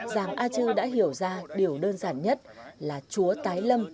giàng a chư đã hiểu ra điều đơn giản nhất là chúa tái lâm